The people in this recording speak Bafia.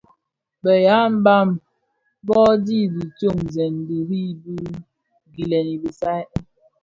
Bë ya mbam bō dhi di diomzèn dirim bi gilèn i bisai.